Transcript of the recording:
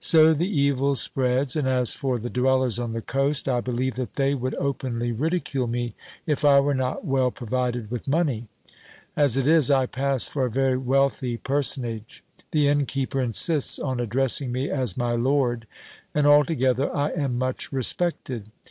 So the evil spreads, and as for the dwellers on the coast, I be lieve that they would openly ridicule me if I were not well provided with money ; as it is, I pass for a very wealthy personage. The innkeeper insists on addressing me as my lord, and altogether I am much respected.